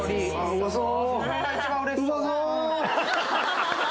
うまそう！